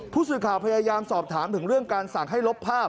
ผู้สื่อข่าวพยายามสอบถามถึงเรื่องการสั่งให้ลบภาพ